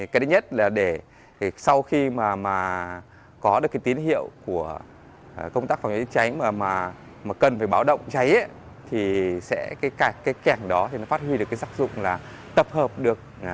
cái thứ nhất là để sau khi mà có được cái tín hiệu của công tác phòng cháy chữa cháy mà cần phải báo động cháy thì sẽ cái kè đó phát huy được cái sắc dụng là tập hợp được